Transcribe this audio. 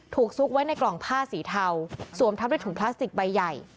พูกซุกไว้ในกล่องผ้าสีเต่าสวมทำละถุงพลาสติกใบใหญ่